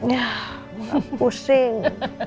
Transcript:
ya gue pusing